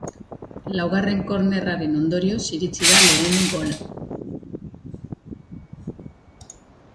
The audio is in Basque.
Laugarren kornerraren ondorioz iritsi da lehen gola.